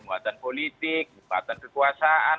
muatan politik muatan kekuasaan